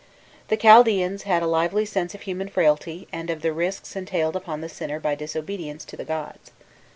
The Chaldeans had a lively sense of human frailty, and of the risks entailed upon the sinner by disobedience to the gods.